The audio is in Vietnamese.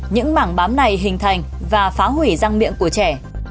những mảng bám này hình thành và phá hủy răng miệng của trẻ